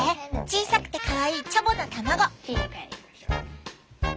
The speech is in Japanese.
小さくてかわいいチャボの卵。